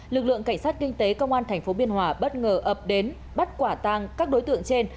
lực lượng cảnh sát kinh tế công an tp biên hòa bất ngờ ập đến bắt quả tang các đối tượng trên